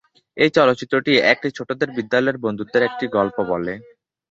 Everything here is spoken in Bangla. এই চলচ্চিত্রটি একটি ছোটদের বিদ্যালয়ের বন্ধুত্বের একটি গল্প বলে।